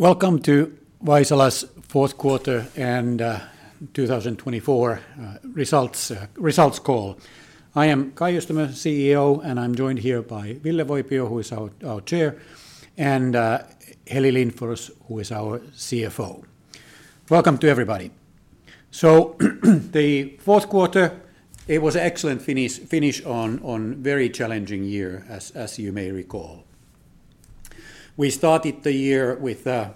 Welcome to Vaisala's Fourth Quarter and 2024 Results Call. I am Kai Öistämö, CEO, and I'm joined here by Ville Voipio, who is our Chair, and Heli Lindfors, who is our CFO. Welcome to everybody. So, the Q4, it was an excellent finish on a very challenging year, as you may recall. We started the year with the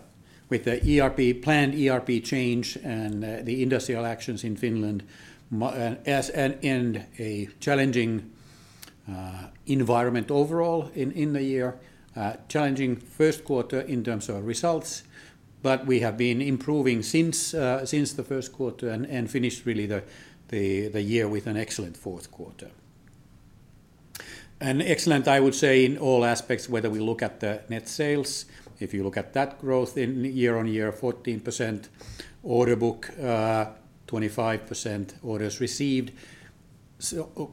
planned ERP change and the industrial actions in Finland, and a challenging environment overall in the year. Challenging first quarter in terms of results, but we have been improving since the Q1 and finished really the year with an excellent Q4. And excellent, I would say, in all aspects, whether we look at the net sales. If you look at that growth year on year, 14% order book, 25% orders received,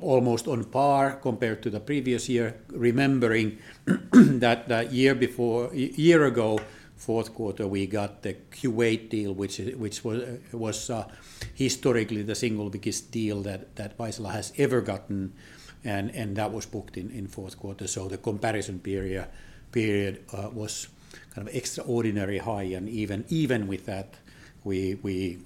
almost on par compared to the previous year. Remembering that a year ago, fourth quarter, we got the Kuwait deal, which was historically the single biggest deal that Vaisala has ever gotten, and that was booked in Q4. So, the comparison period was kind of extraordinarily high, and even with that, we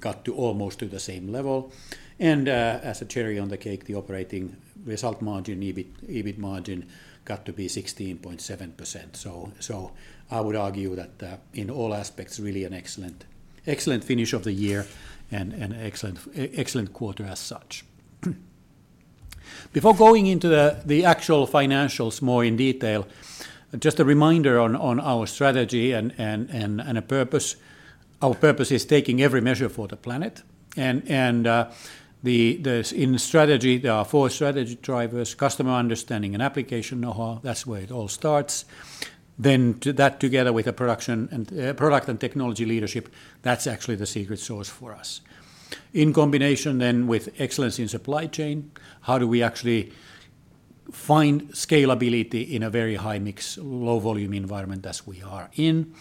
got to almost the same level, and as a cherry on the cake, the operating result margin, EBIT margin, got to be 16.7%. So, I would argue that in all aspects, really an excellent finish of the year and an excellent quarter as such. Before going into the actual financials more in detail, just a reminder on our strategy and our purpose. Our purpose is Taking Every Measure for the Planet. In strategy, there are four strategy drivers: customer understanding and application know-how. That's where it all starts. Then that, together with the product and technology leadership, that's actually the secret sauce for us. In combination then with excellence in supply chain, how do we actually find scalability in a very high mix, low volume environment as we are in,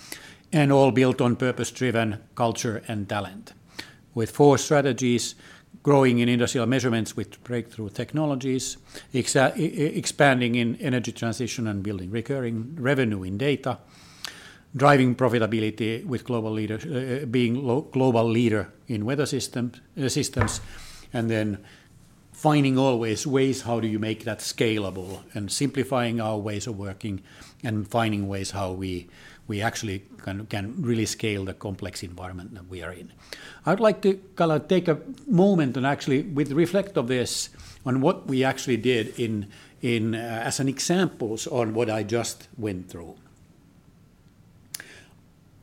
and all built on purpose-driven culture and talent. With four strategies, growing in Industrial Measurements with breakthrough technologies, expanding in energy transition and building recurring revenue in data, driving profitability with being a global leader in weather systems, and then finding always ways how do you make that scalable and simplifying our ways of working and finding ways how we actually can really scale the complex environment that we are in. I would like to take a moment and actually reflect on this, on what we actually did as an example on what I just went through.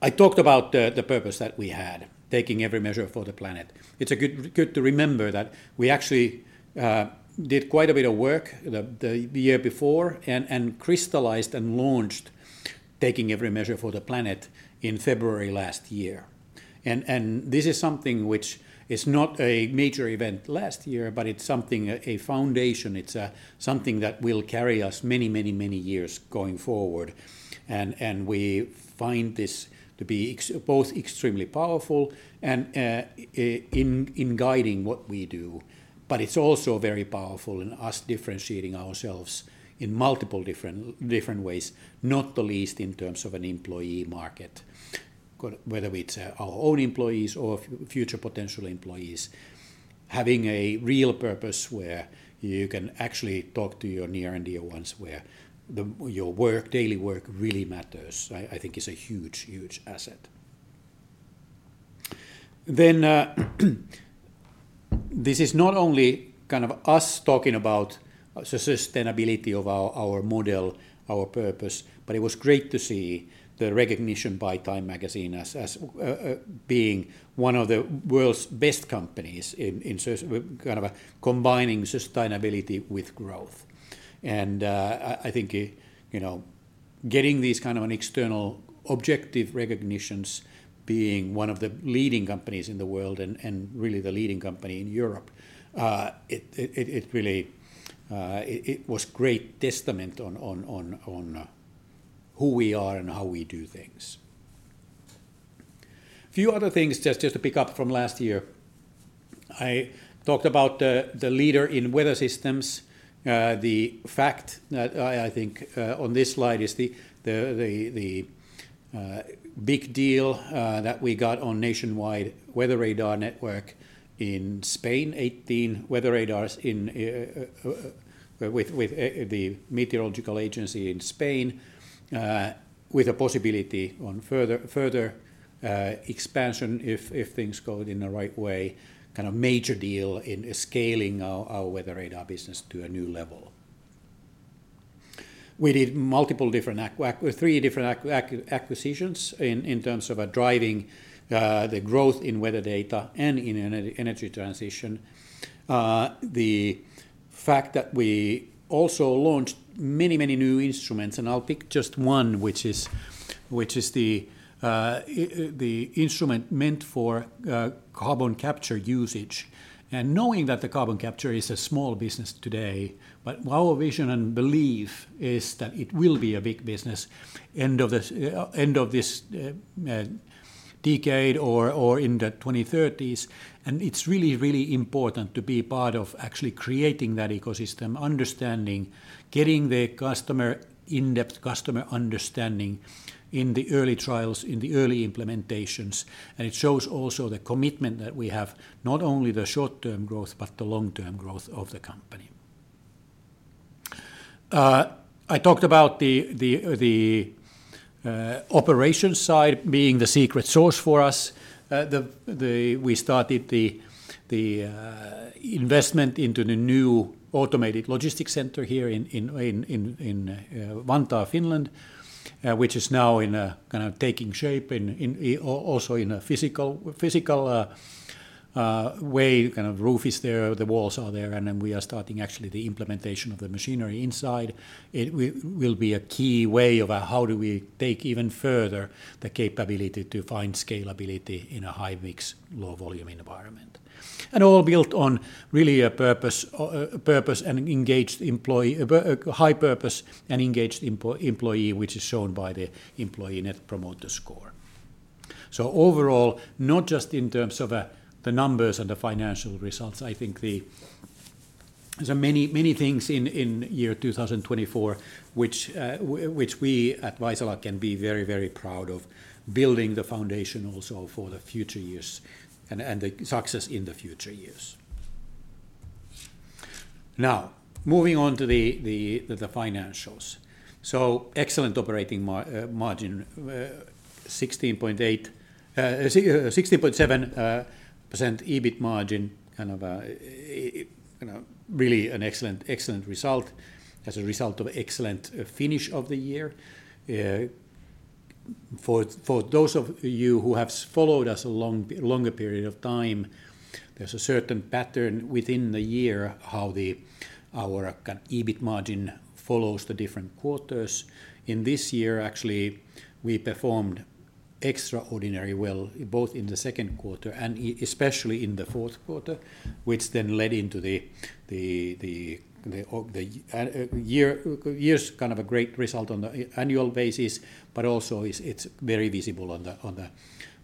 I talked about the purpose that we had, taking every measure for the planet. It's good to remember that we actually did quite a bit of work the year before and crystallized and launched taking every measure for the planet in February last year, and this is something which is not a major event last year, but it's something, a foundation. It's something that will carry us many, many, many years going forward, and we find this to be both extremely powerful in guiding what we do, but it's also very powerful in us differentiating ourselves in multiple different ways, not the least in terms of an employee market, whether it's our own employees or future potential employees. Having a real purpose where you can actually talk to your near and dear ones where your work, daily work really matters, I think is a huge, huge asset. Then this is not only kind of us talking about the sustainability of our model, our purpose, but it was great to see the recognition by Time magazine as being one of the world's best companies in kind of combining sustainability with growth. And I think getting these kind of external objective recognitions being one of the leading companies in the world and really the leading company in Europe, it really was a great testament on who we are and how we do things. A few other things just to pick up from last year. I talked about the leader in weather systems. The fact that, I think, on this slide is the big deal that we got on nationwide weather radar network in Spain, 18 weather radars with the State Meteorological Agency in Spain, with a possibility of further expansion if things go in the right way, kind of major deal in scaling our weather radar business to a new level. We did multiple different acquisitions in terms of driving the growth in weather data and in energy transition. The fact that we also launched many, many new instruments, and I'll pick just one, which is the instrument meant for carbon capture usage, and knowing that the carbon capture is a small business today, but our vision and belief is that it will be a big business end of this decade or in the 2030s. It's really, really important to be part of actually creating that ecosystem, understanding, getting the in-depth customer understanding in the early trials, in the early implementations. It shows also the commitment that we have, not only the short-term growth, but the long-term growth of the company. I talked about the operations side being the secret sauce for us. We started the investment into the new automated logistics center here in Vantaa, Finland, which is now kind of taking shape also in a physical way. Kind of roof is there, the walls are there, and then we are starting actually the implementation of the machinery inside. It will be a key way of how do we take even further the capability to find scalability in a high mix, low volume environment. And all built on really a purpose and engaged employee, a high purpose and engaged employee, which is shown by the Employee Net Promoter Score. So overall, not just in terms of the numbers and the financial results, I think there are many things in year 2024 which we at Vaisala can be very, very proud of, building the foundation also for the future years and the success in the future years. Now, moving on to the financials. So, excellent operating margin, 16.7% EBIT margin, kind of really an excellent result as a result of excellent finish of the year. For those of you who have followed us a longer period of time, there's a certain pattern within the year how our EBIT margin follows the different quarters. In this year, actually, we performed extraordinarily well, both in the Q2 and especially in the Q4, which then led into the year's kind of a great result on the annual basis, but also it's very visible on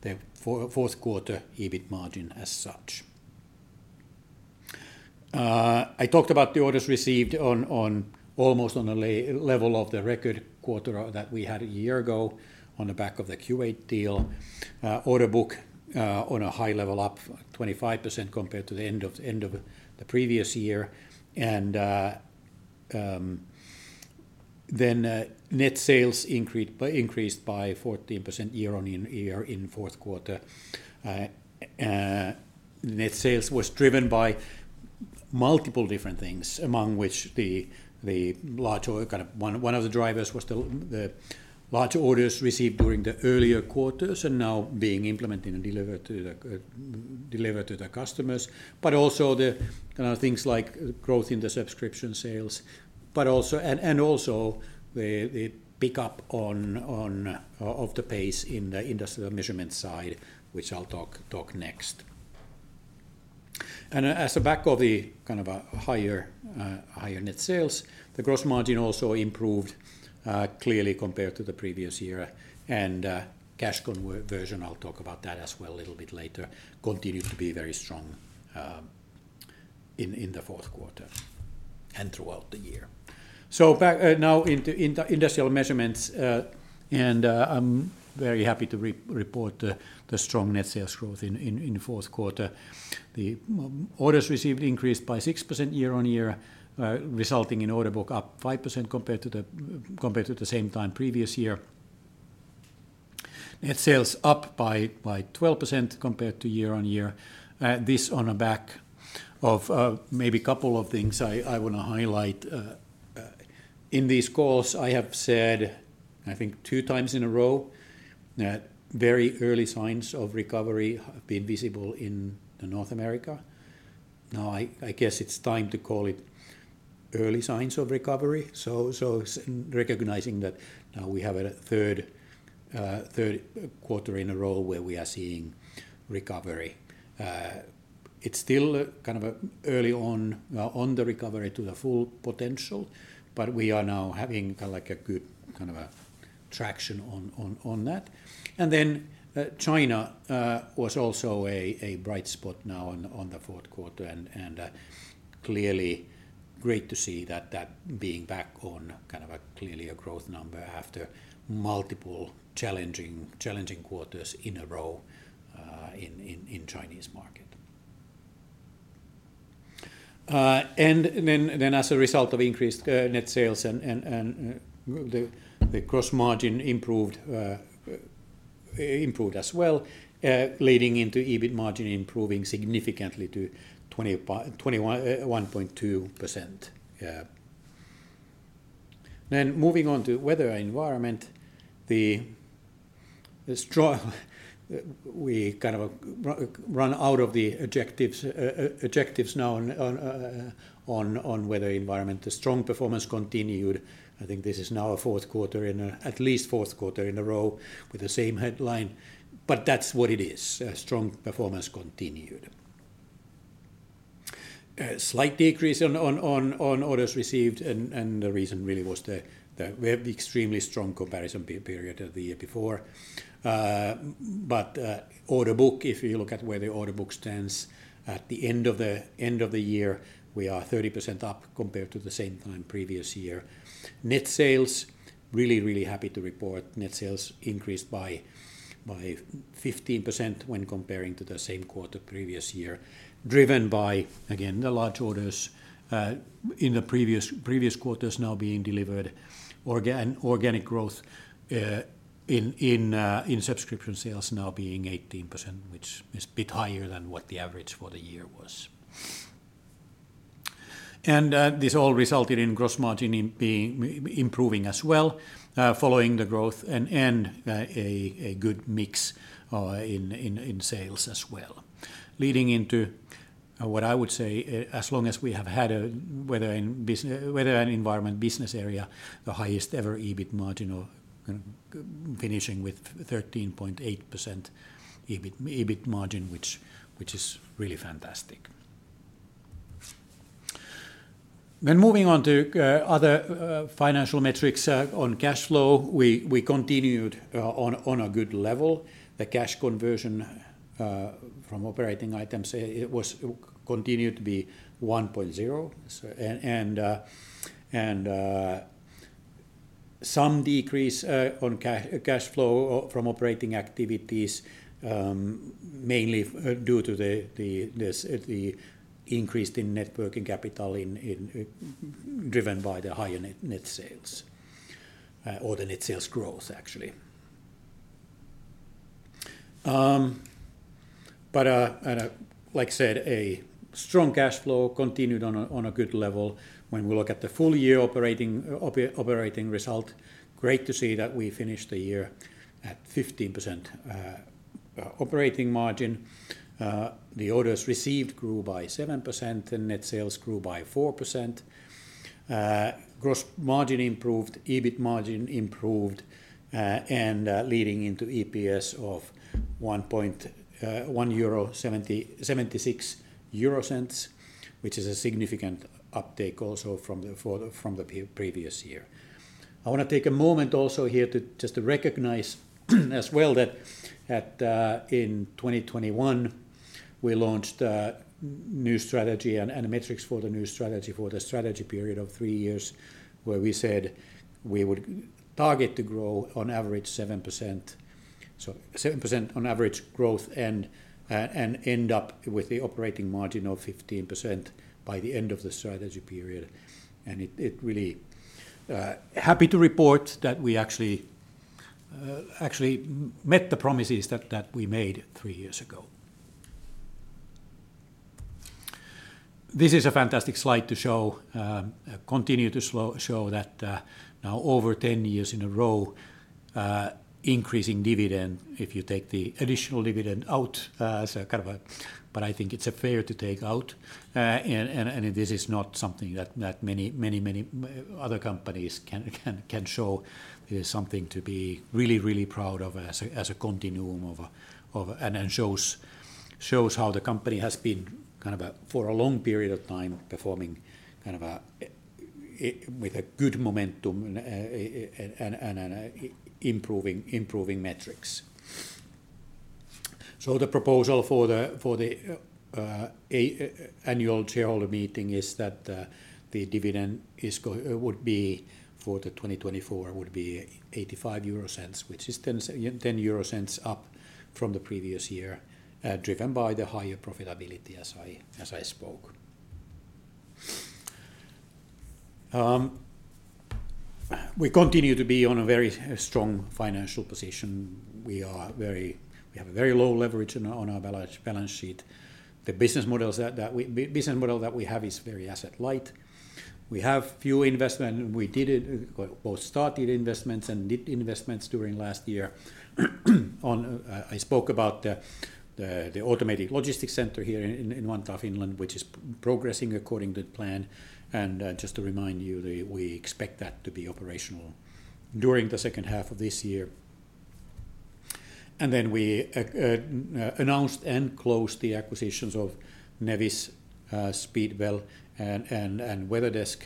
theQ4 EBIT margin as such. I talked about the orders received almost on the level of the record quarter that we had a year ago on the back of the Kuwait deal. Order book on a high level up 25% compared to the end of the previous year. And then net sales increased by 14% year on year in Q4. Net sales was driven by multiple different things, among which the larger kind of one of the drivers was the large orders received during the earlier quarters and now being implemented and delivered to the customers, but also the kind of things like growth in the subscription sales, but also the pickup of the pace in the industrial measurement side, which I'll talk next, and on the back of the kind of a higher net sales, the gross margin also improved clearly compared to the previous year, and cash conversion, I'll talk about that as well a little bit later, continued to be very strong in theQ4 and throughout the year, so now into industrial measurements, and I'm very happy to report the strong net sales growth in theQ4. The orders received increased by 6% year on year, resulting in order book up 5% compared to the same time previous year. Net sales up by 12% compared to year on year. This on the back of maybe a couple of things I want to highlight. In these calls, I have said, I think, two times in a row that very early signs of recovery have been visible in North America. Now, I guess it's time to call it early signs of recovery, so recognizing that now we have a Q3 in a row where we are seeing recovery. It's still kind of early on the recovery to the full potential, but we are now having kind of a good kind of traction on that. And then China was also a bright spot now on theQ4, and clearly great to see that being back on kind of a clearly a growth number after multiple challenging quarters in a row in Chinese market. And then as a result of increased net sales and the gross margin improved as well, leading into EBIT margin improving significantly to 21.2%. Then moving on to Weather Environment, we kind of run out of the objectives now on weather environment. The strong performance continued. I think this is now aQ4, at least Q4 in a row with the same headline, but that's what it is. Strong performance continued. Slight decrease on orders received, and the reason really was the extremely strong comparison period of the year before. Order book, if you look at where the order book stands at the end of the year, we are 30% up compared to the same time previous year. Net sales, really, really happy to report net sales increased by 15% when comparing to the same quarter previous year, driven by, again, the large orders in the previous quarters now being delivered. Organic growth in subscription sales now being 18%, which is a bit higher than what the average for the year was. This all resulted in gross margin improving as well, following the growth and a good mix in sales as well. Leading into what I would say, as long as we have had a Weather and Environment business area, the highest ever EBIT margin of finishing with 13.8% EBIT margin, which is really fantastic. Moving on to other financial metrics on cash flow, we continued on a good level. The cash conversion from operating items continued to be 1.0. Some decrease on cash flow from operating activities, mainly due to the increased working capital driven by the higher net sales, or the net sales growth, actually. Like I said, a strong cash flow continued on a good level. When we look at the full year operating result, great to see that we finished the year at 15% operating margin. The orders received grew by 7% and net sales grew by 4%. Gross margin improved, EBIT margin improved, and leading into EPS of 1.76 euro, which is a significant uptake also from the previous year. I want to take a moment also here to just recognize as well that in 2021, we launched a new strategy and metrics for the new strategy for the strategy period of three years, where we said we would target to grow on average 7%. So 7% on average growth and end up with the operating margin of 15% by the end of the strategy period. And I'm really happy to report that we actually met the promises that we made three years ago. This is a fantastic slide to show, continue to show that now over 10 years in a row, increasing dividend, if you take the additional dividend out as a kind of. But I think it's fair to take out. And this is not something that many, many other companies can show. It is something to be really, really proud of as a continuum of and shows how the company has been kind of for a long period of time performing kind of with a good momentum and improving metrics. So the proposal for the annual shareholder meeting is that the dividend would be for the 2024 would be 0.85, which is 0.10 up from the previous year, driven by the higher profitability as I spoke. We continue to be on a very strong financial position. We have a very low leverage on our balance sheet. The business model that we have is very asset light. We have few investments. We did both started investments and did investments during last year. I spoke about the automated logistics center here in Vantaa, Finland, which is progressing according to the plan. Just to remind you, we expect that to be operational during the second half of this year. Then we announced and closed the acquisitions of Speedwell Climate and WeatherDesk,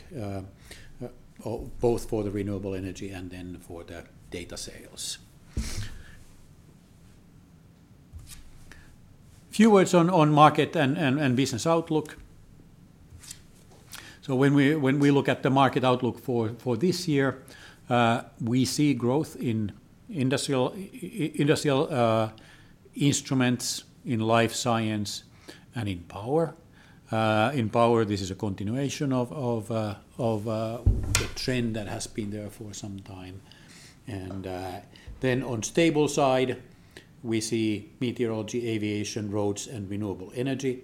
both for the renewable energy and then for the data sales. Few words on market and business outlook. When we look at the market outlook for this year, we see growth in industrial instruments, in life science, and in power. In power, this is a continuation of the trend that has been there for some time. Then on stable side, we see meteorology, aviation, roads, and renewable energy.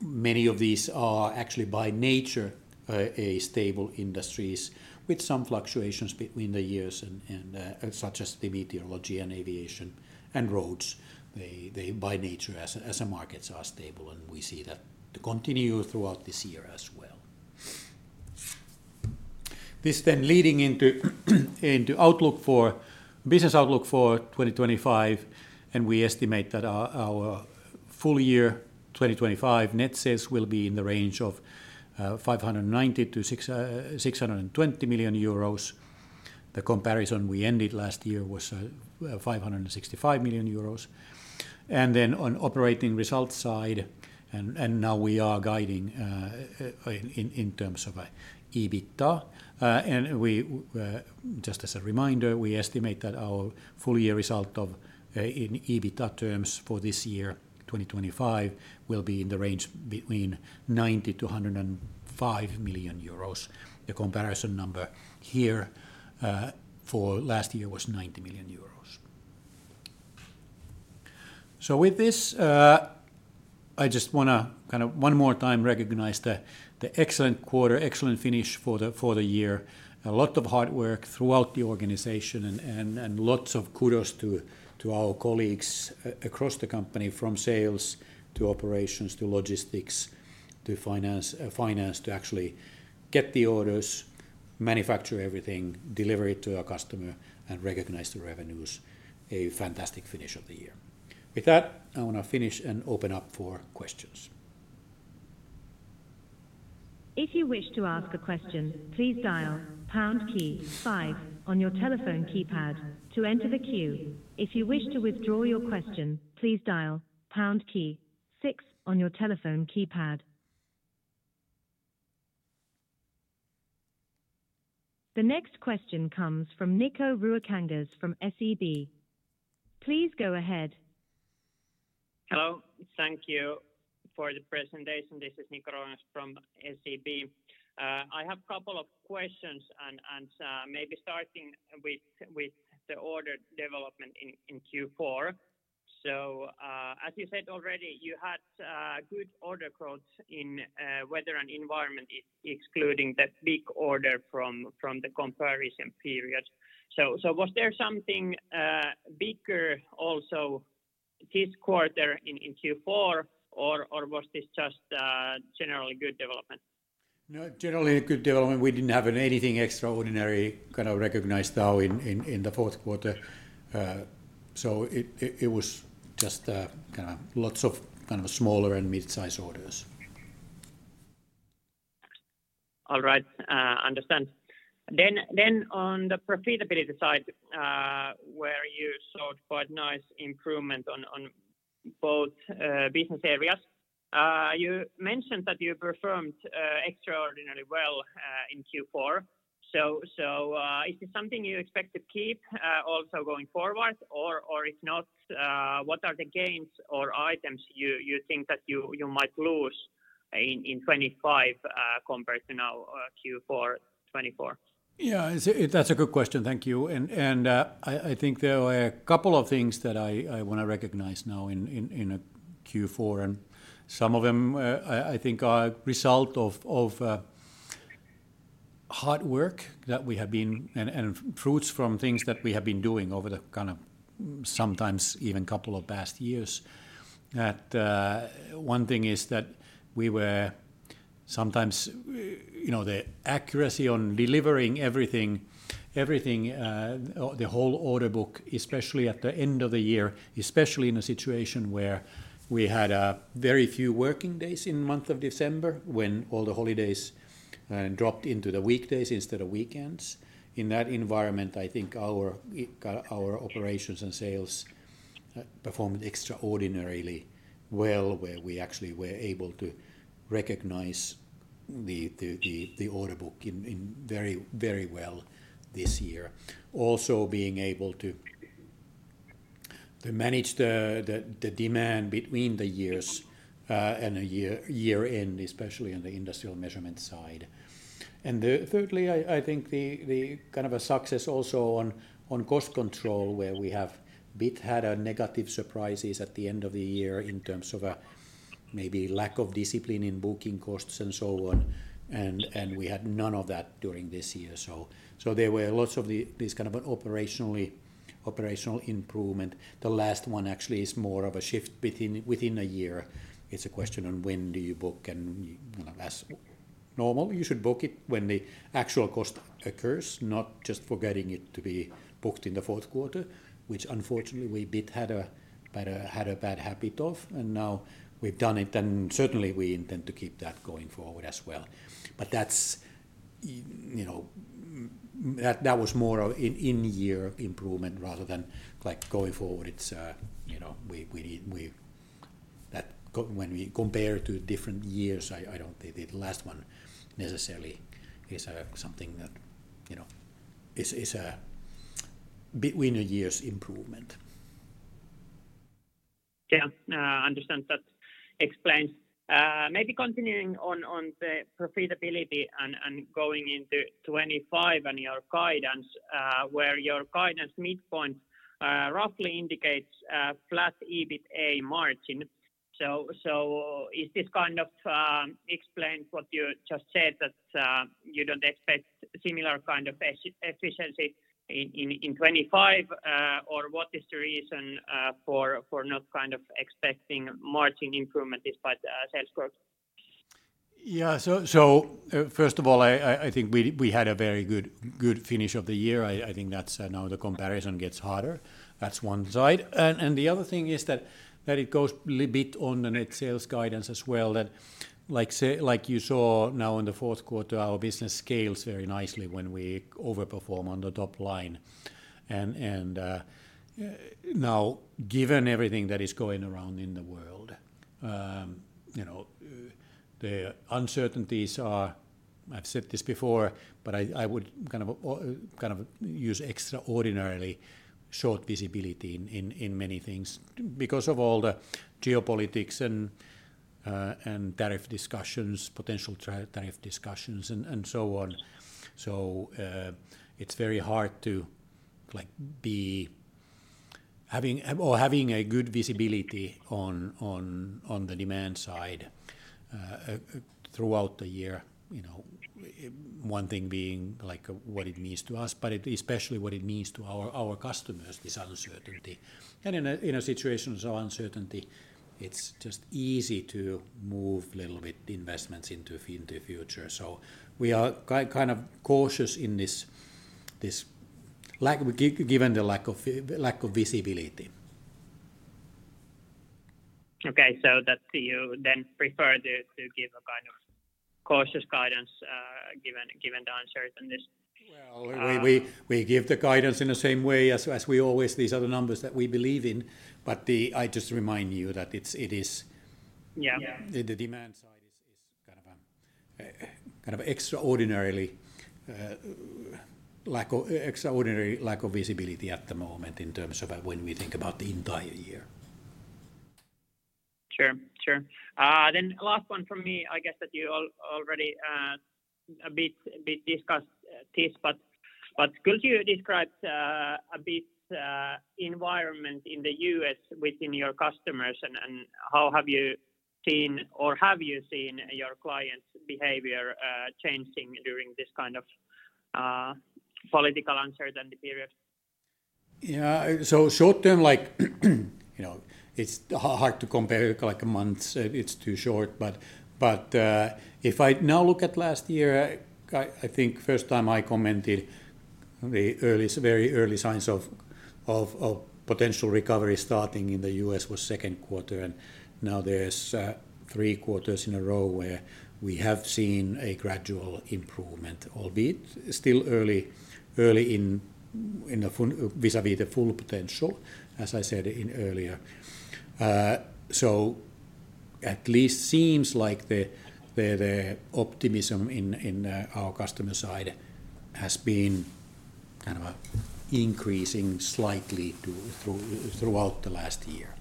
Many of these are actually by nature stable industries with some fluctuations between the years, such as the meteorology and aviation and roads. They by nature as a market are stable, and we see that continue throughout this year as well. This, then leading into outlook for business outlook for 2025, and we estimate that our full year 2025 net sales will be in the range of 590-620 million euros. The comparison we ended last year was 565 million euros, and then on operating result side, and now we are guiding in terms of EBITDA, and just as a reminder, we estimate that our full year result in EBITDA terms for this year, 2025, will be in the range between 90-105 million euros. The comparison number here for last year was 90 million euros, so with this, I just want to kind of one more time recognize the excellent quarter, excellent finish for the year. A lot of hard work throughout the organization and lots of kudos to our colleagues across the company, from sales to operations to logistics to finance to actually get the orders, manufacture everything, deliver it to our customer, and recognize the revenues. A fantastic finish of the year. With that, I want to finish and open up for questions. If you wish to ask a question, please dial pound key five on your telephone keypad to enter the queue. If you wish to withdraw your question, please dial pound key six on your telephone keypad. The next question comes from Niko Ruokangas from SEB. Please go ahead. Hello. Thank you for the presentation. This is Niko Ruokangas from SEB. I have a couple of questions and maybe starting with the order development in Q4. So as you said already, you had good order growth in weather and environment, excluding the big order from the comparison period. So was there something bigger also this quarter in Q4, or was this just generally good development? No, generally good development. We didn't have anything extraordinary kind of recognized now in the fourth quarter. So it was just kind of lots of kind of smaller and mid-size orders. All right. Understand. Then on the profitability side, where you saw quite nice improvement on both business areas, you mentioned that you performed extraordinarily well in Q4. So is this something you expect to keep also going forward, or if not, what are the gains or items you think that you might lose in 2025 compared to now Q4 2024? Yeah, that's a good question. Thank you.I think there are a couple of things that I want to recognize now in Q4. Some of them, I think, are a result of hard work that we have been doing and fruits from things that we have been doing over the kind of sometimes even a couple of past years. One thing is that we saw some accuracy on delivering everything, the whole order book, especially at the end of the year, especially in a situation where we had very few working days in the month of December when all the holidays dropped into the weekdays instead of weekends. In that environment, I think our operations and sales performed extraordinarily well, where we actually were able to recognize the order book very well this year. We were also able to manage the demand between the years and the year end, especially on the industrial measurement side. Thirdly, I think the kind of a success also on cost control, where we have had negative surprises at the end of the year in terms of maybe lack of discipline in booking costs and so on. We had none of that during this year. There were lots of these kind of operational improvements. The last one actually is more of a shift within a year. It's a question on when do you book and as normal, you should book it when the actual cost occurs, not just forgetting it to be booked in the fourth quarter, which unfortunately we had a bad habit of. Now we've done it, and certainly we intend to keep that going forward as well. That was more of in-year improvement rather than going forward. When we compare to different years, I don't think the last one necessarily is something that is a between the years improvement. Yeah, understand. That explains. Maybe continuing on the profitability and going into 2025 and your guidance, where your guidance midpoint roughly indicates flat EBITDA margin. So is this kind of explains what you just said, that you don't expect similar kind of efficiency in 2025, or what is the reason for not kind of expecting margin improvement despite the sales growth? Yeah, so first of all, I think we had a very good finish of the year. I think that's now the comparison gets harder. That's one side. And the other thing is that it goes a little bit on the net sales guidance as well. Like you saw now in the Q4 our business scales very nicely when we overperform on the top line. Now, given everything that is going around in the world, the uncertainties are. I've said this before, but I would kind of use extraordinarily short visibility in many things because of all the geopolitics and tariff discussions, potential tariff discussions, and so on. It's very hard to be or having a good visibility on the demand side throughout the year, one thing being what it means to us, but especially what it means to our customers, this uncertainty. In a situation of uncertainty, it's just easy to move a little bit investments into the future. We are kind of cautious in this given the lack of visibility. Okay, so that you then prefer to give a kind of cautious guidance given the uncertainty? We give the guidance in the same way as we always. These are the numbers that we believe in. But I just remind you that it is the demand side is kind of extraordinarily lack of visibility at the moment in terms of when we think about the entire year. Sure, sure. Then last one from me, I guess that you already a bit discussed this, but could you describe a bit environment in the U.S. within your customers and how have you seen or have you seen your clients' behavior changing during this kind of political uncertainty period? Yeah, so short term, it's hard to compare like a month. It's too short, but if I now look at last year, I think first time I commented the very early signs of potential recovery starting in the U.S. was second quarter. And now there's three quarters in a row where we have seen a gradual improvement, albeit still early in vis-à-vis the full potential, as I said earlier. So at least seems like the optimism in our customer side has been kind of increasing slightly throughout the last year.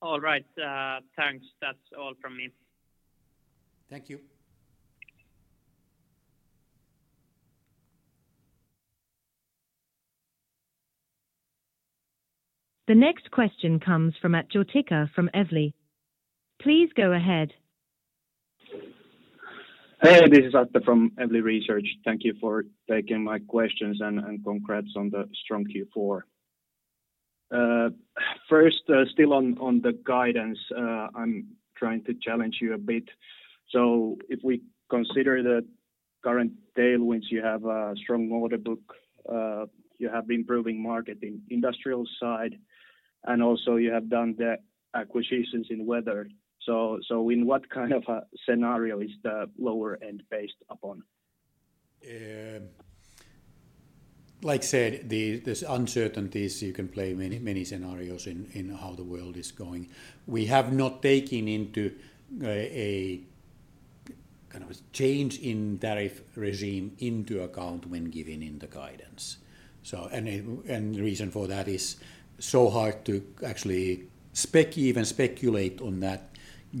All right. Thanks. That's all from me. Thank you. The next question comes from Arttu Heikura from Evli. Please go ahead. Hey, this is Arttu Heikura from Evli. Thank you for taking my questions and congrats on the strong Q4. First, still on the guidance, I'm trying to challenge you a bit. So if we consider the current tailwinds, you have a strong order book, you have improving market in industrial side, and also you have done the acquisitions in weather. So in what kind of a scenario is the lower end based upon? Like I said, this uncertainty, so you can play many scenarios in how the world is going. We have not taken into a kind of change in tariff regime into account when giving in the guidance. And the reason for that is so hard to actually even speculate on that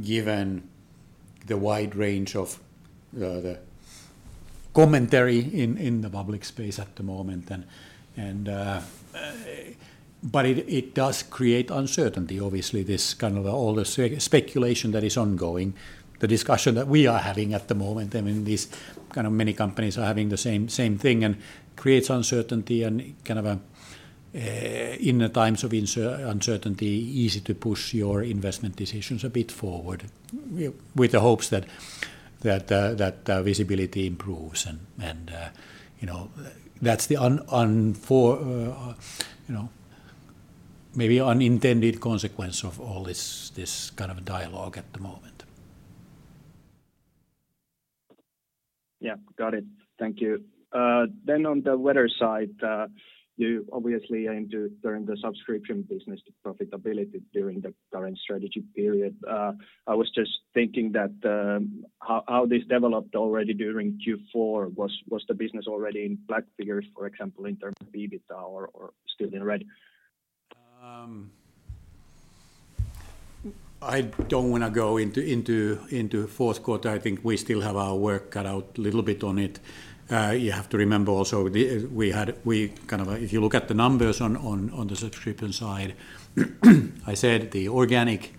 given the wide range of the commentary in the public space at the moment. But it does create uncertainty, obviously, this kind of all the speculation that is ongoing, the discussion that we are having at the moment. I mean, these kind of many companies are having the same thing and creates uncertainty and kind of in the times of uncertainty, easy to push your investment decisions a bit forward with the hopes that visibility improves. And that's the maybe unintended consequence of all this kind of dialogue at the moment. Yeah, got it. Thank you. Then on the weather side, you obviously aim to turn the subscription business to profitability during the current strategy period.I was just thinking that how this developed already during Q4. Was the business already in black figures, for example, in terms of EBITDA, or still in red? I don't want to go into Q4. I think we still have our work cut out a little bit on it. You have to remember also we kind of, if you look at the numbers on the subscription side, I said the organic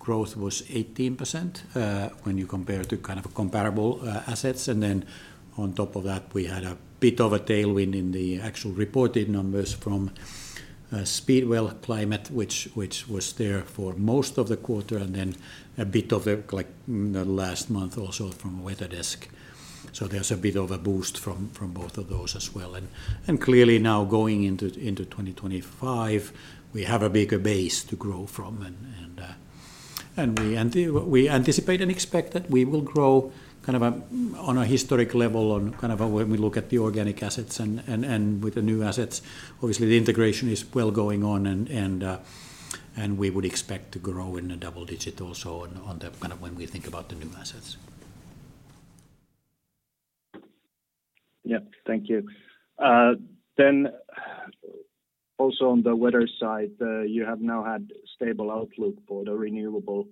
growth was 18% when you compare to kind of comparable assets. And then on top of that, we had a bit of a tailwind in the actual reported numbers from Speedwell Climate, which was there for most of the quarter, and then a bit of the last month also from WeatherDesk. So there's a bit of a boost from both of those as well. And clearly now going into 2025, we have a bigger base to grow from. And we anticipate and expect that we will grow kind of on a historic level on kind of when we look at the organic assets and with the new assets. Obviously, the integration is well going on, and we would expect to grow in a double digit also on the kind of when we think about the new assets. Yeah, thank you. Then also on the weather side, you have now had stable outlook for the renewable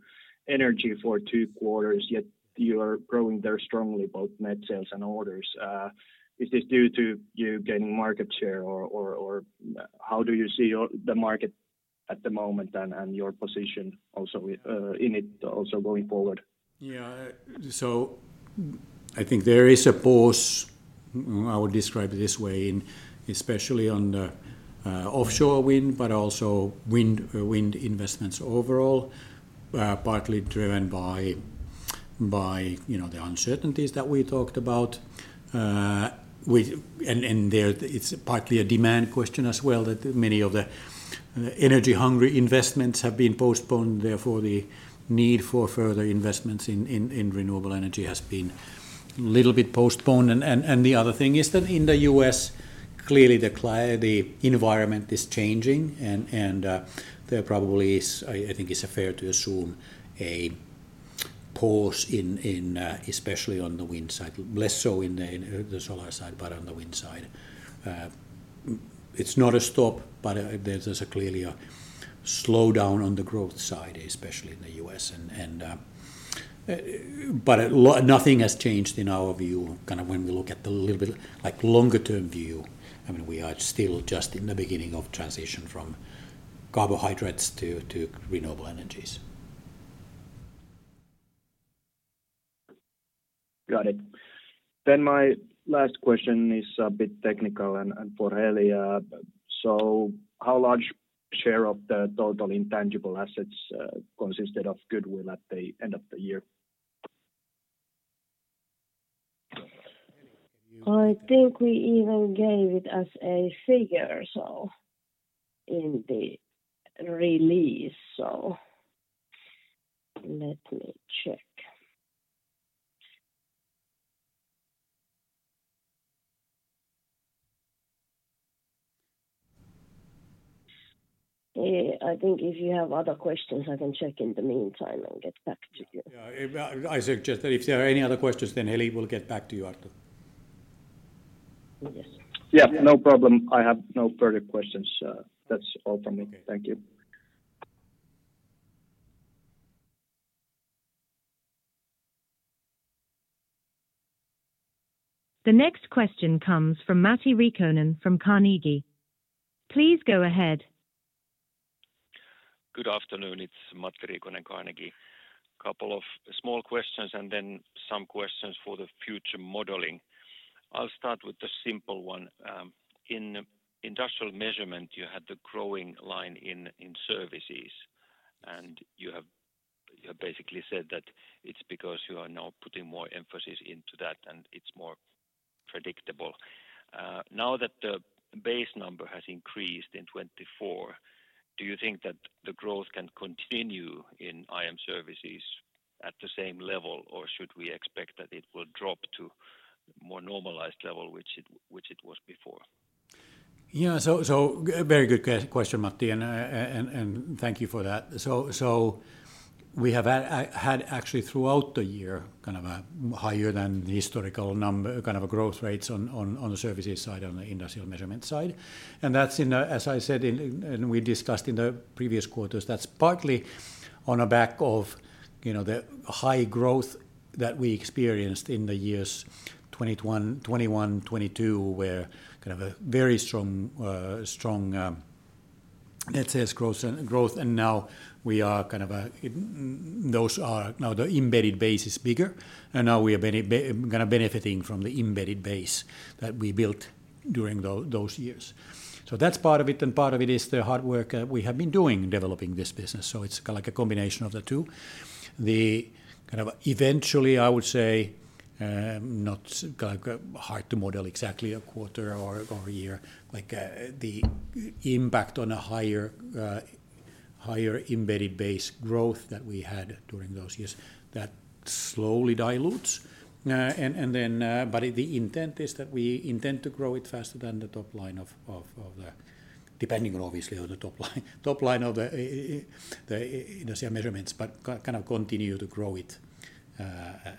energy for two quarters, yet you are growing there strongly, both net sales and orders. Is this due to you gaining market share, or how do you see the market at the moment and your position also in it also going forward? Yeah, so I think there is a pause, I would describe it this way, especially on the offshore wind, but also wind investments overall, partly driven by the uncertainties that we talked about. And it's partly a demand question as well that many of the energy-hungry investments have been postponed. Therefore, the need for further investments in renewable energy has been a little bit postponed. And the other thing is that in the U.S., clearly the environment is changing, and there probably is, I think it's fair to assume a pause in especially on the wind side, less so in the solar side, but on the wind side. It's not a stop, but there's clearly a slowdown on the growth side, especially in the U.S. But nothing has changed in our view, kind of when we look at the little bit longer-term view.I mean, we are still just in the beginning of transition from carbohydrates to renewable energies. Got it. Then my last question is a bit technical and for Heli. So how large share of the total intangible assets consisted of Goodwill at the end of the year? I think we even gave it as a figure or so in the release. So let me check. I think if you have other questions, I can check in the meantime and get back to you. Yeah, I suggest that if there are any other questions, then Heli will get back to you, Arttu. Yes. Yeah, no problem. I have no further questions. That's all from me. Thank you. The next question comes from Matti Riikonen from Carnegie. Please go ahead. Good afternoon. It's Matti Riikonen, Carnegie. Couple of small questions and then some questions for the future modeling. I'll start with the simple one. In industrial measurement, you had the growing line in services, and you have basically said that it's because you are now putting more emphasis into that, and it's more predictable. Now that the base number has increased in 2024, do you think that the growth can continue in IM services at the same level, or should we expect that it will drop to a more normalized level, which it was before? Yeah, so very good question, Matti, and thank you for that. So we have had actually throughout the year kind of a higher than historical kind of growth rates on the services side and the industrial measurement side. And that's in the, as I said, and we discussed in the previous quarters, that's partly on the back of the high growth that we experienced in the years 2021, 2022, where kind of a very strong net sales growth. And now we are kind of those are now the embedded base is bigger, and now we are kind of benefiting from the embedded base that we built during those years. So that's part of it, and part of it is the hard work that we have been doing developing this business. So it's kind of like a combination of the two. The kind of eventually, I would say, not hard to model exactly a quarter or a year, like the impact on a higher embedded base growth that we had during those years that slowly dilutes. But the intent is that we intend to grow it faster than the top line of the, depending on obviously on the top line of the industrial measurements, but kind of continue to grow it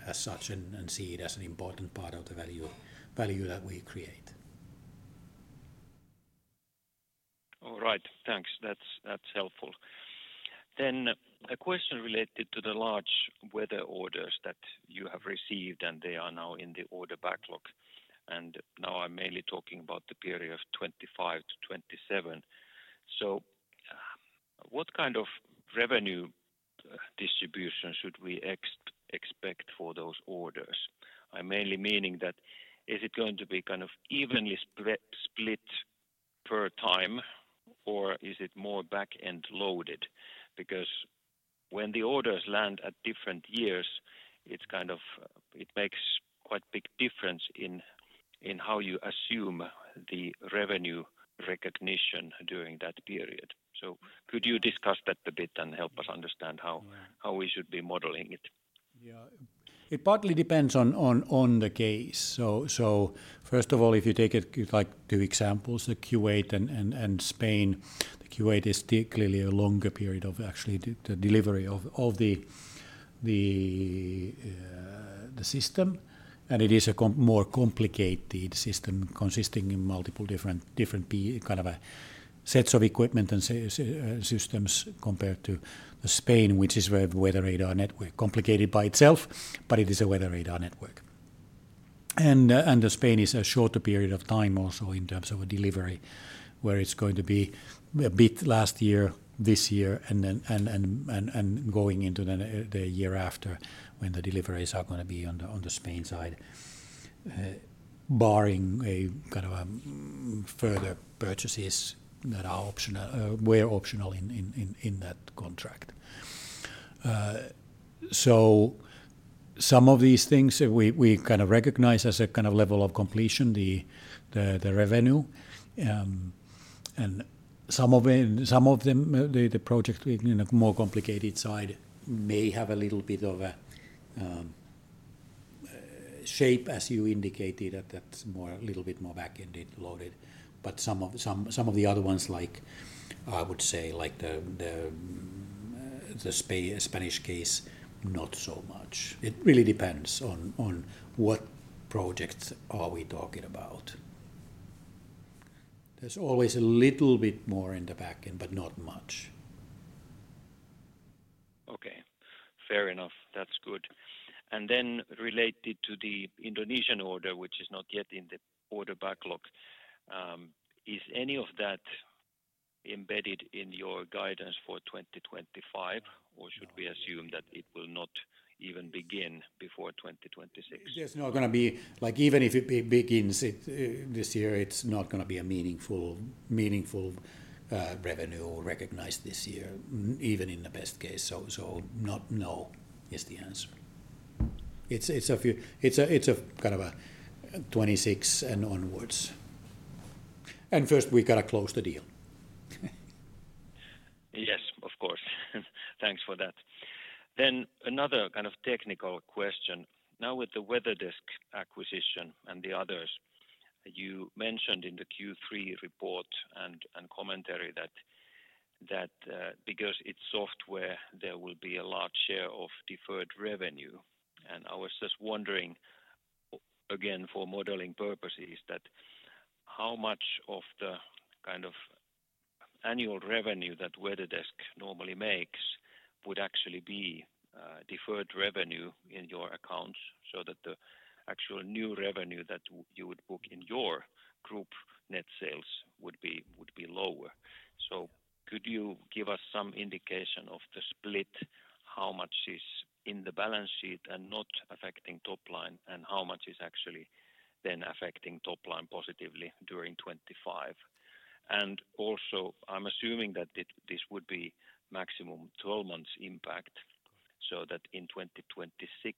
as such and see it as an important part of the value that we create. All right. Thanks. That's helpful. Then a question related to the large weather orders that you have received, and they are now in the order backlog. And now I'm mainly talking about the period of 2025 to 2027. So what kind of revenue distribution should we expect for those orders? I'm mainly meaning that is it going to be kind of evenly split per time, or is it more back-end loaded? Because when the orders land at different years, it makes quite a big difference in how you assume the revenue recognition during that period. Could you discuss that a bit and help us understand how we should be modeling it? Yeah. It partly depends on the case. First of all, if you take two examples, the Kuwait and Spain, the Kuwait is clearly a longer period of actually the delivery of the system. And it is a more complicated system consisting of multiple different kind of sets of equipment and systems compared to Spain, which is where the weather radar network is complicated by itself, but it is a weather radar network. And Spain is a shorter period of time also in terms of a delivery where it's going to be a bit last year, this year, and going into the year after when the deliveries are going to be on the Spain side, barring kind of further purchases that are optional or were optional in that contract. So, some of these things we kind of recognize as a kind of level of completion, the revenue. And some of the projects in the more complicated side may have a little bit of a shape, as you indicated, that's a little bit more back-end loaded. But some of the other ones, like I would say, like the Spanish case, not so much. It really depends on what projects are we talking about. There's always a little bit more in the back end, but not much. Okay. Fair enough. That's good. And then related to the Indonesian order, which is not yet in the order backlog, is any of that embedded in your guidance for 2025, or should we assume that it will not even begin before 2026? There's not going to be like even if it begins this year, it's not going to be a meaningful revenue recognized this year, even in the best case. So no, is the answer. It's a kind of a 26 and onwards. And first we got to close the deal. Yes, of course. Thanks for that. Then another kind of technical question. Now with the WeatherDesk acquisition and the others, you mentioned in the Q3 report and commentary that because it's software, there will be a large share of deferred revenue. And I was just wondering, again, for modeling purposes, that how much of the kind of annual revenue that WeatherDesk normally makes would actually be deferred revenue in your accounts so that the actual new revenue that you would book in your group net sales would be lower. So, could you give us some indication of the split, how much is in the balance sheet and not affecting top line, and how much is actually then affecting top line positively during 2025? And also, I'm assuming that this would be maximum 12 months impact so that in 2026,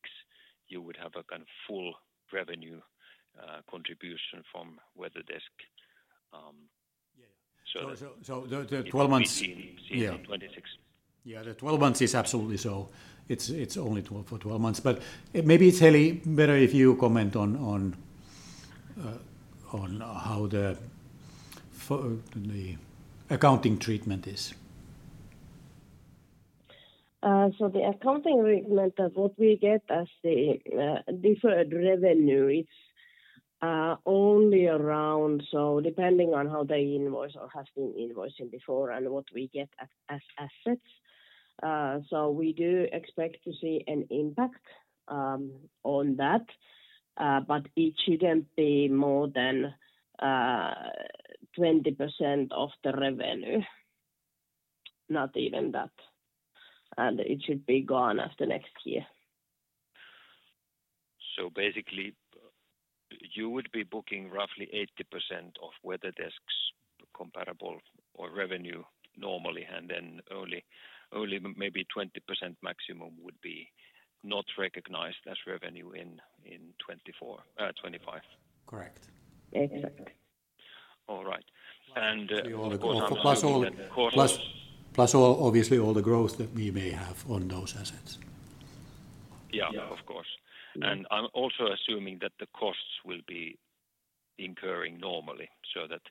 you would have a kind of full revenue contribution from WeatherDesk. Yeah, yeah. So the 12 months. Yeah, 2026. Yeah, the 12 months is absolutely so. It's only for 12 months. But maybe it's Heli better if you comment on how the accounting treatment is. So the accounting treatment, what we get as the deferred revenue, it's only around so depending on how they invoice or have been invoicing before and what we get as assets. So we do expect to see an impact on that, but it shouldn't be more than 20% of the revenue, not even that.It should be gone after next year. Basically, you would be booking roughly 80% of WeatherDesk's comparable or revenue normally, and then only maybe 20% maximum would be not recognized as revenue in 2024, 2025. Correct. Exactly. All right. Of course, plus all, obviously, all the growth that we may have on those assets. Yeah, of course. I'm also assuming that the costs will be incurring normally, so that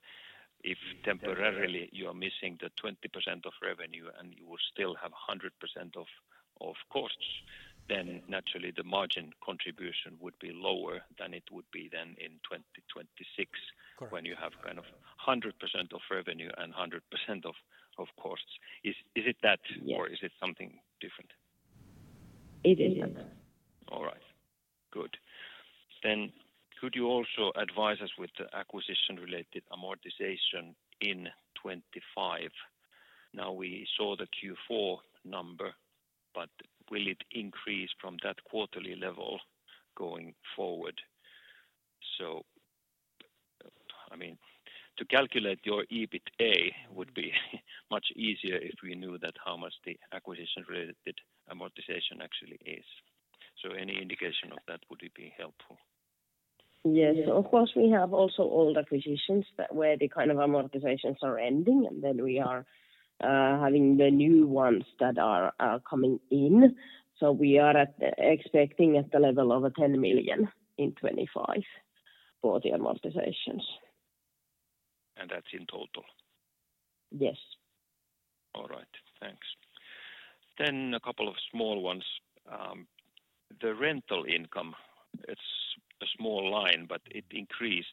if temporarily you are missing the 20% of revenue and you will still have 100% of costs, then naturally the margin contribution would be lower than it would be then in 2026 when you have kind of 100% of revenue and 100% of costs. Is it that, or is it something different? It is that. All right. Good. Could you also advise us with the acquisition-related amortization in 2025?Now we saw the Q4 number, but will it increase from that quarterly level going forward? So I mean, to calculate your EBITDA would be much easier if we knew how much the acquisition-related amortization actually is. So any indication of that would be helpful. Yes. Of course, we have also old acquisitions where the kind of amortizations are ending, and then we are having the new ones that are coming in. So we are expecting at the level of 10 million in 2025 for the amortizations. And that's in total? Yes. All right. Thanks. Then a couple of small ones. The rental income, it's a small line, but it increased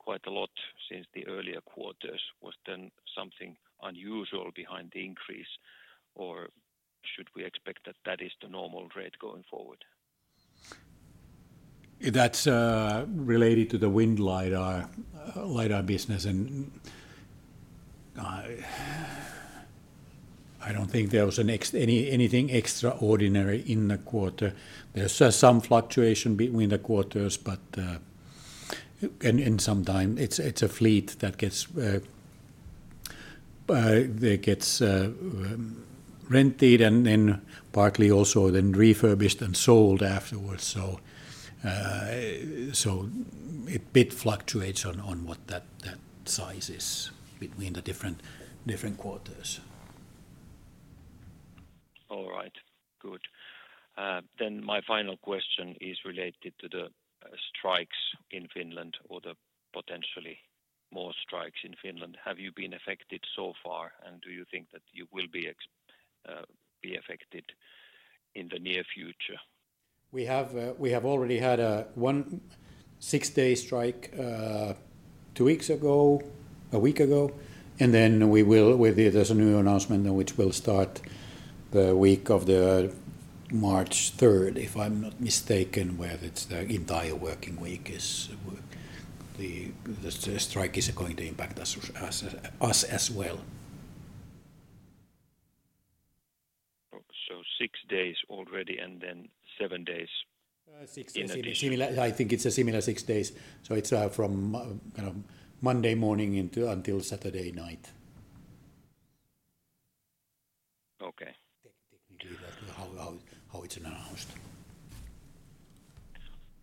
quite a lot since the earlier quarters. Was there something unusual behind the increase, or should we expect that that is the normal rate going forward? That's related to the wind lidar business.I don't think there was anything extraordinary in the quarter. There's some fluctuation between the quarters, but in some time, it's a fleet that gets rented and then partly also then refurbished and sold afterwards. So it fluctuates on what that size is between the different quarters. All right. Good. Then my final question is related to the strikes in Finland or the potentially more strikes in Finland. Have you been affected so far, and do you think that you will be affected in the near future? We have already had one six-day strike two weeks ago, a week ago. And then there's a new announcement which will start the week of March 3rd, if I'm not mistaken, where it's the entire working week the strike is going to impact us as well. So six days already and then seven days in a series? I think it's a similar six days, so it's from Monday morning until Saturday night. Okay. How it's announced.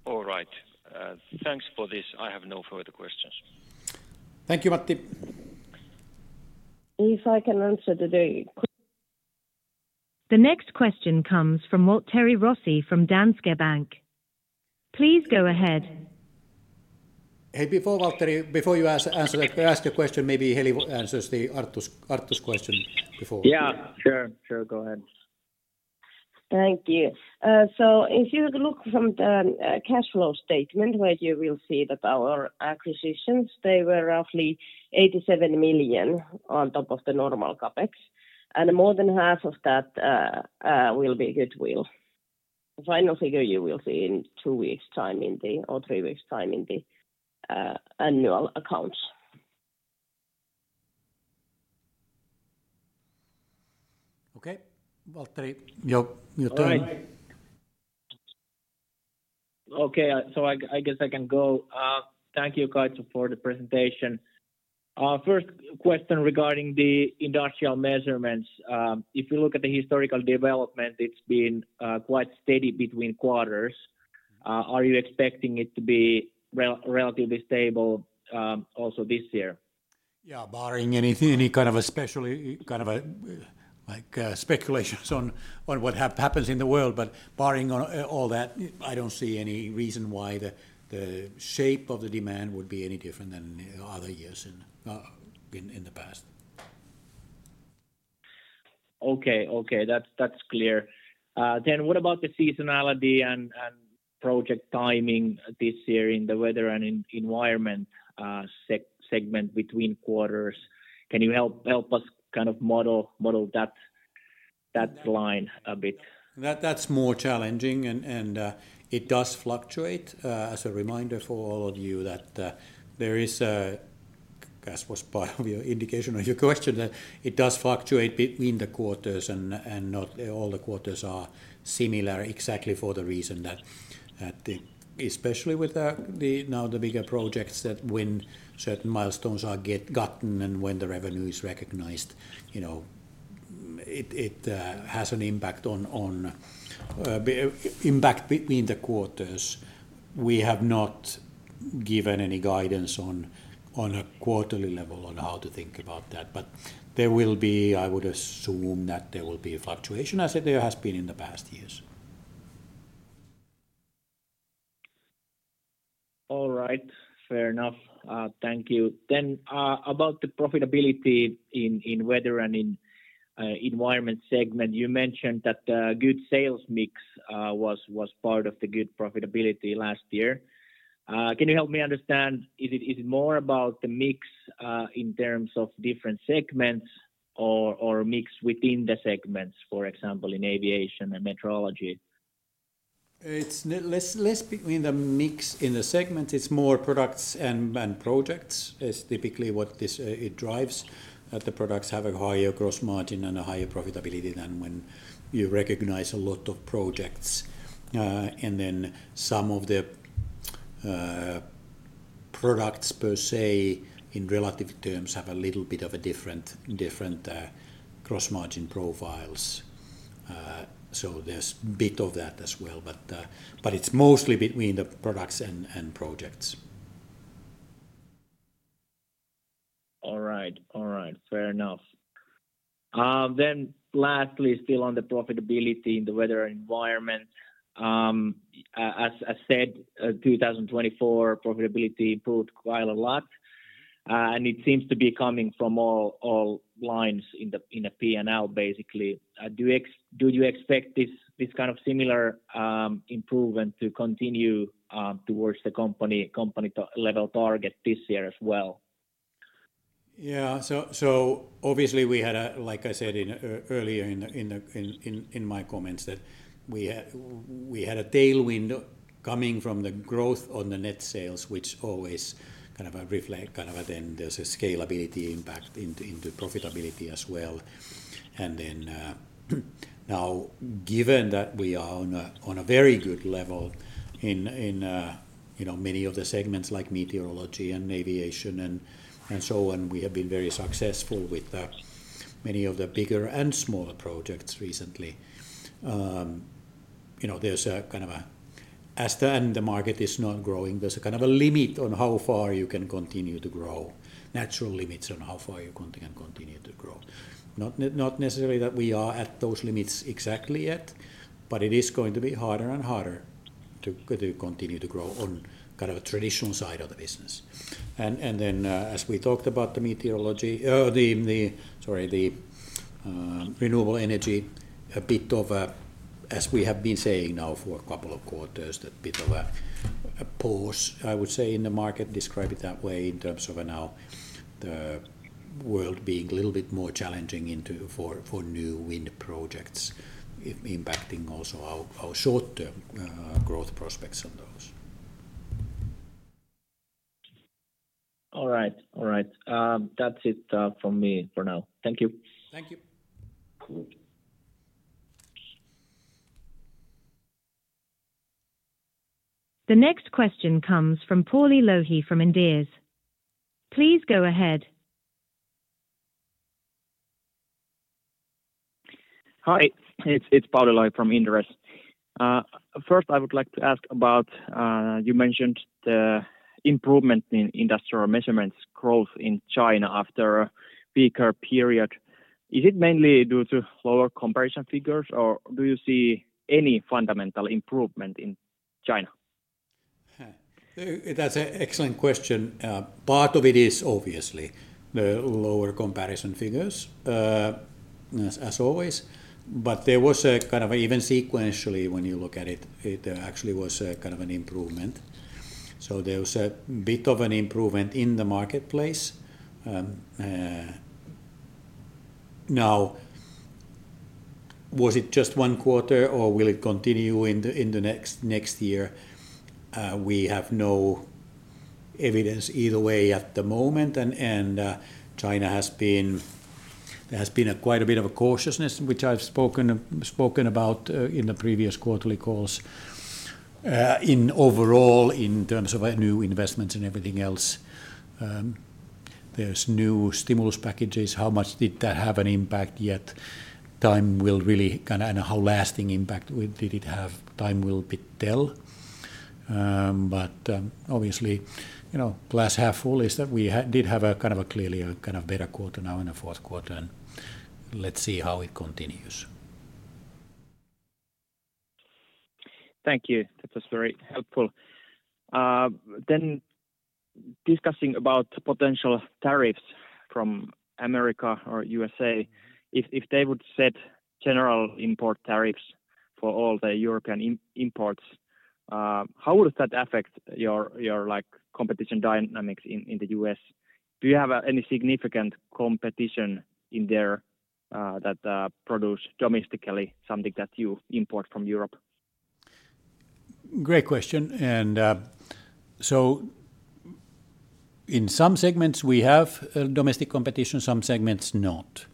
All right. Thanks for this. I have no further questions. Thank you, Matti. If I can answer the day.. The next question comes from Waltteri Rossi from Danske Bank. Please go ahead. Hey, before you ask the question, maybe Heli answers the Arttu question before. Yeah, sure. Sure. Go ahead. Thank you. So if you look from the cash flow statement, where you will see that our acquisitions, they were roughly 87 million on top of the normal CapEx. And more than half of that will be goodwill. Final figure you will see in two weeks' time or three weeks' time in the annual accounts. Okay. Waltteri. You too. Okay, so I guess I can go. Thank you, Kai, for the presentation. First question regarding the industrial measurements. If you look at the historical development, it's been quite steady between quarters. Are you expecting it to be relatively stable also this year? Yeah, barring any kind of a special kind of speculations on what happens in the world. But barring all that, I don't see any reason why the shape of the demand would be any different than other years in the past. Okay. Okay. That's clear. Then what about the seasonality and project timing this year in the Weather and Environment segment between quarters? Can you help us kind of model that line a bit? That's more challenging, and it does fluctuate. As a reminder for all of you that there is, as was part of your indication of your question, that it does fluctuate between the quarters, and not all the quarters are similar exactly for the reason that especially with now the bigger projects that when certain milestones are gotten and when the revenue is recognized, it has an impact between the quarters. We have not given any guidance on a quarterly level on how to think about that. But there will be, I would assume, that there will be fluctuation, as there has been in the past years. All right. Fair enough. Thank you. Then about the profitability in weather and in environment segment, you mentioned that the good sales mix was part of the good profitability last year. Can you help me understand? Is it more about the mix in terms of different segments or mix within the segments, for example, in aviation and meteorology? It's less between the mix in the segments. It's more products and projects is typically what it drives. The products have a higher gross margin and a higher profitability than when you recognize a lot of projects. And then some of the products per se, in relative terms, have a little bit of a different gross margin profiles. So there's a bit of that as well. But it's mostly between the products and projects. All right. All right. Fair enough. Then lastly, still on the profitability in the weather and environment, as I said, 2024 profitability improved quite a lot. And it seems to be coming from all lines in the P&L, basically. Do you expect this kind of similar improvement to continue towards the company-level target this year as well? Yeah. So obviously, we had, like I said earlier in my comments, that we had a tailwind coming from the growth on the net sales, which always kind of reflects, and then there's a scalability impact into profitability as well. And then now, given that we are on a very good level in many of the segments like meteorology and aviation and so on, we have been very successful with many of the bigger and smaller projects recently. There's kind of a limit as the market is not growing on how far you can continue to grow, natural limits on how far you can continue to grow. Not necessarily that we are at those limits exactly yet, but it is going to be harder and harder to continue to grow on kind of a traditional side of the business. And then, as we talked about the meteorology, sorry, the renewable energy, a bit of a, as we have been saying now for a couple of quarters, that bit of a pause, I would say, in the market. Describe it that way in terms of now the world being a little bit more challenging for new wind projects, impacting also our short-term growth prospects on those. All right. All right. That's it from me for now. Thank you. Thank you. The next question comes from Pauli Lohi from Inderes. Please go ahead. Hi. It's Pauli Lohi from Inderes.First, I would like to ask about you mentioned the improvement in industrial measurements growth in China after a weaker period. Is it mainly due to lower comparison figures, or do you see any fundamental improvement in China? That's an excellent question. Part of it is obviously the lower comparison figures, as always. But there was a kind of even sequentially, when you look at it, there actually was a kind of an improvement. So there was a bit of an improvement in the marketplace. Now, was it just one quarter, or will it continue in the next year? We have no evidence either way at the moment. And China has been quite a bit of a cautiousness, which I've spoken about in the previous quarterly calls. Overall, in terms of new investments and everything else, there's new stimulus packages. How much did that have an impact yet? Time will really kind of and how lasting impact did it have? Time will tell. But obviously, glass half full is that we did have a kind of a clearly a kind of better quarter now in the fourth quarter. And let's see how it continues. Thank you. That was very helpful. Then discussing about potential tariffs from America or USA, if they would set general import tariffs for all the European imports, how would that affect your competition dynamics in the US? Do you have any significant competition in there that produces domestically something that you import from Europe? Great question. And so in some segments, we have domestic competition, some segments not.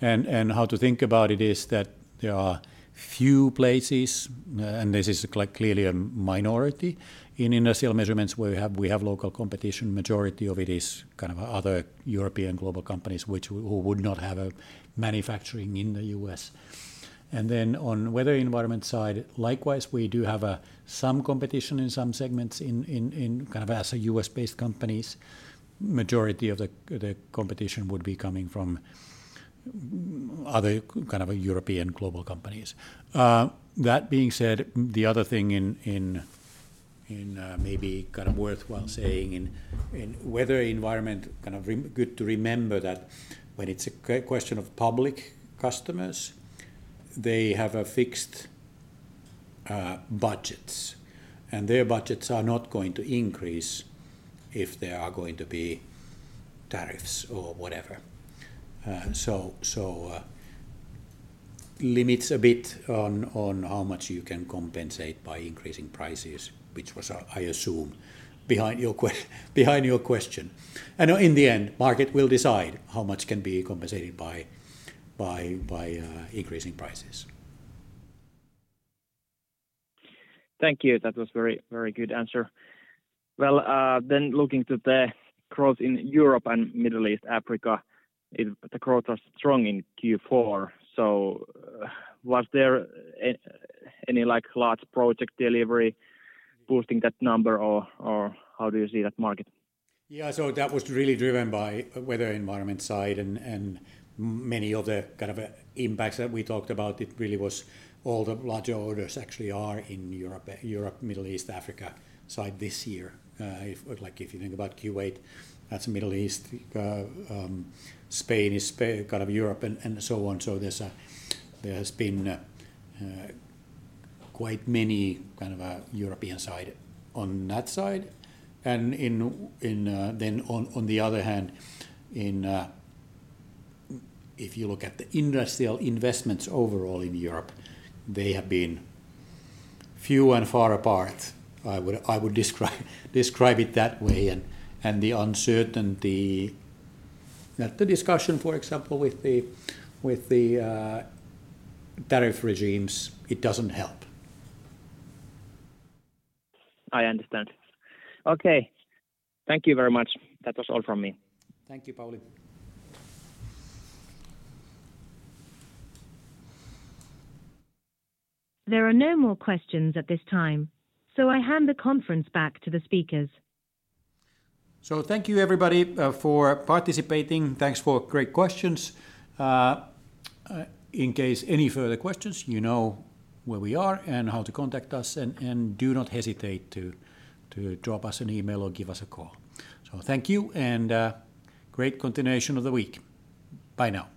And how to think about it is that there are few places, and this is clearly a minority in industrial measurements where we have local competition. The majority of it is kind of other European global companies who would not have a manufacturing in the US. And then on the weather environment side, likewise, we do have some competition in some segments kind of as a US-based company. The majority of the competition would be coming from other kind of European global companies. That being said, the other thing in maybe kind of worthwhile saying in weather environment, kind of good to remember that when it's a question of public customers, they have fixed budgets. And their budgets are not going to increase if there are going to be tariffs or whatever. So limits a bit on how much you can compensate by increasing prices, which was, I assume, behind your question. And in the end, the market will decide how much can be compensated by increasing prices. Thank you. That was a very good answer. Well, then looking to the growth in Europe and Middle East, Africa, the growth was strong in Q4. So was there any large project delivery boosting that number, or how do you see that market? Yeah. So that was really driven by the weather environment side and many other kind of impacts that we talked about. It really was all the larger orders actually are in Europe, Middle East, Africa side this year. If you think about Kuwait, that's Middle East, Spain is kind of Europe, and so on. So there has been quite many kind of European side on that side. And then on the other hand, if you look at the industrial investments overall in Europe, they have been few and far apart, I would describe it that way. And the uncertainty, the discussion, for example, with the tariff regimes, it doesn't help. I understand. Okay.Thank you very much. That was all from me. Thank you, Pauli. There are no more questions at this time, so I hand the conference back to the speakers. So thank you, everybody, for participating. Thanks for great questions. In case of any further questions, you know where we are and how to contact us. And do not hesitate to drop us an email or give us a call. So thank you, and great continuation of the week. Bye now.